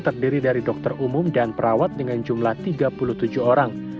terdiri dari dokter umum dan perawat dengan jumlah tiga puluh tujuh orang